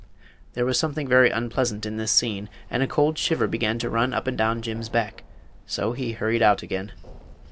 There was something very unpleasant in this scene, and a cold shiver began to run up and down Jim's back; so he hurried out again.